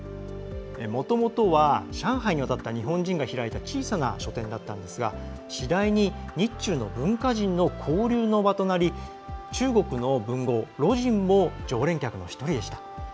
もともとは上海に渡った日本人が開いた小さな書店だったんですが次第に日中の文化人の交流の場となり中国の文豪・魯迅も常連客の１人でした。